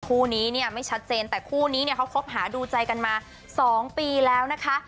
คู่นี้เนี่ยไม่ชัดเจนแต่คู่นี้เนี่ยเขาคบหาดูใจกันมา๒ปีแล้วนะคะ